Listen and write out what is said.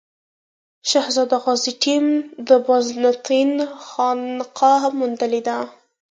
شهزاده غازي ټیم د بازنطین خانقا هم موندلې ده.